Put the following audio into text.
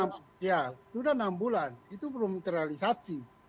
ya sudah enam bulan itu belum terrealisasi